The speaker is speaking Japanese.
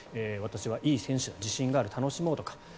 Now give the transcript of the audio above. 私はいい選手だ、自信がある楽しもうとか。